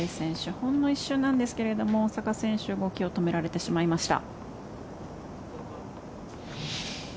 ほんの一瞬なんですけど大坂選手動きを止められてしまいました。